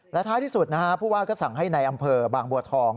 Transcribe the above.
และท้ายที่สุดนะฮะผู้ว่าก็สั่งให้ในอำเภอบางบัวทอง